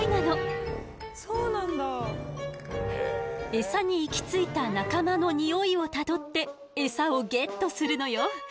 エサに行き着いた仲間の匂いをたどってエサをゲットするのよ。